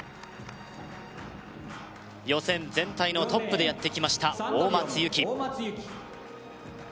予選全体のトップでやってきました大松由季